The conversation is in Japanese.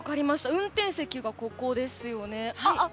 運転席がここですよね。